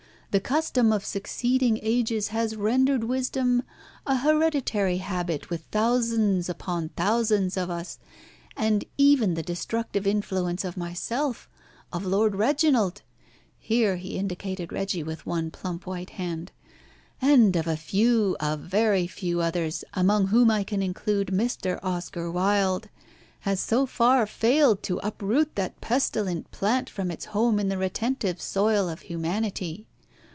The custom of succeeding ages has rendered wisdom a hereditary habit with thousands upon thousands of us, and even the destructive influence of myself, of Lord Reginald" here he indicated Reggie, with one plump, white hand "and of a few, a very few others, among whom I can include Mr. Oscar Wilde, has so far failed to uproot that pestilent plant from its home in the retentive soil of humanity.